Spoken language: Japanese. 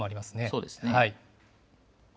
そうですね。